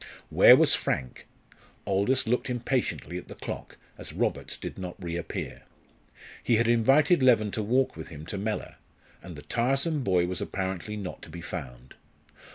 Where was Frank? Aldous looked impatiently at the clock, as Roberts did not reappear. He had invited Leven to walk with him to Mellor, and the tiresome boy was apparently not to be found.